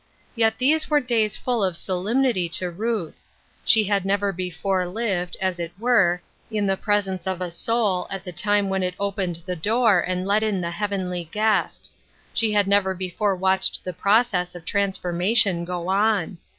Yet these were days full of solemnity to Ruth ; she had never before lived, as it were, in the presence of a soul at the time when it opened the door and let in the Heavenly Guest; she had never before watched the process of transforma tion go on.